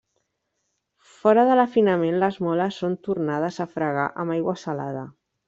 Fora de l'afinament les moles són tornades a fregar amb aigua salada.